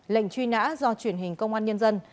lệnh truy nã do truyền hình công an nhân dân